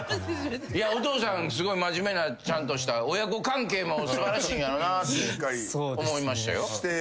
お父さんすごい真面目なちゃんとした親子関係も素晴らしいんやろなって思いましたよ。